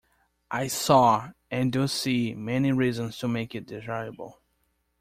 I saw, and do see, many reasons to make it desirable.